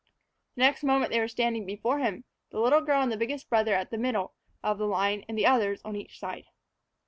The next moment they were standing before him, the little girl and the biggest brother at the middle of the line and the others on each side.